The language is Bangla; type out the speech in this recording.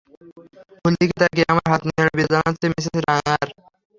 ভুল দিকে তাকিয়ে আমায় হাত নেড়ে বিদায় জানাচ্ছে মিসেস নায়ার।